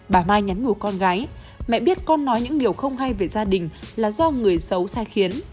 bà mai nhắn nhủ con gái mẹ biết con nói những điều không hay về gia đình là do người xấu sai khiến